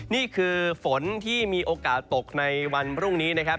นี่คือฝนที่มีโอกาสตกในวันพรุ่งนี้นะครับ